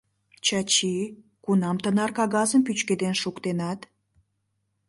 — Чачи, кунам тынар кагазым пӱчкеден шуктенат?